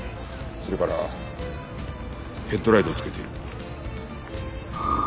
それからヘッドライトをつけている。